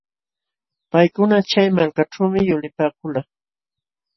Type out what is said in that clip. Paykuna chay malkaćhuumi yulipaakulqaa.